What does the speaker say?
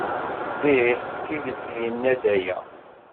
Ih, d tidet yenna-d aya.